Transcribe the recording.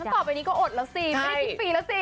ต่อไปนี้ก็อดแล้วสิไม่ได้ทุกปีแล้วสิ